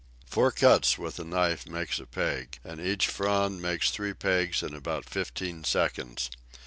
Four cuts with the knife make a peg, and each frond makes three pegs in about fifteen seconds.